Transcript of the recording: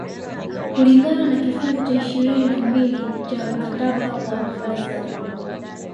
kulingana na kifungu cha ishirini na mbili cha mkataba wa Versailles